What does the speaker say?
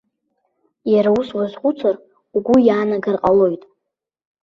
Иара ус уазхәыцыр угәы иаанагар ҟалоит.